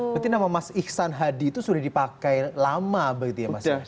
berarti nama mas iksan hadi itu sudah dipakai lama begitu ya mas ya